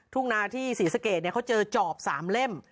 ทุ่งนาที่ศรีสะเกดเขาเจอจอบ๓เล่ม